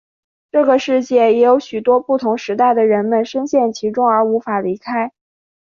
这个世界也有许多不同时代的人们身陷其中而无法离开。